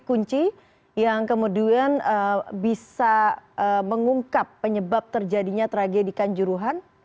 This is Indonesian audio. kunci yang kemudian bisa mengungkap penyebab terjadinya tragedi kanjuruhan